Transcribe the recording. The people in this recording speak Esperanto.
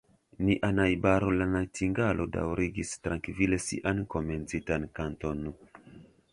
Nia najbaro la najtingalo daŭrigis trankvile sian komencitan kanton.